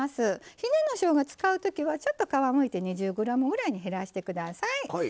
ひねのしょうが、使うときは皮をむいて２０ｇぐらいに減らしてください。